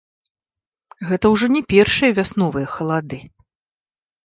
Гэта ўжо не першыя вясновыя халады.